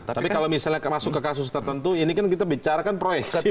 tapi kalau misalnya masuk ke kasus tertentu ini kan kita bicara kan proyeksi